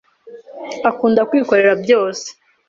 Akunda kwikorera byose.